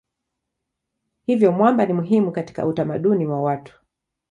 Hivyo mwamba ni muhimu katika utamaduni wa watu.